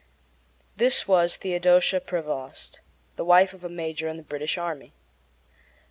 This was Theodosia Prevost, the wife of a major in the British army.